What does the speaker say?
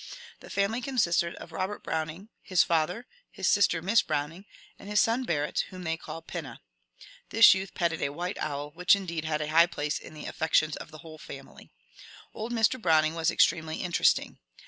The family consisted of Robert Browning, his father, his sister Miss Browning, and his son Barrett, whom they called *^ Pinna." This youth petted a white owl, which indeed had a high place in the affections of the whole family. Old Mr. Browning was extremely interesting.